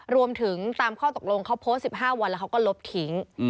รวมถึงตามข้อตกลงเขาโพสต์๑๕วันแล้วเขาก็ลบทิ้ง